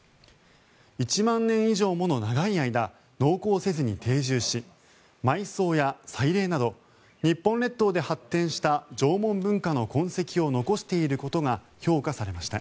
１万年以上もの長い間農耕せずに定住し埋葬や祭礼など日本列島で発展した縄文文化の痕跡を残していることが評価されました。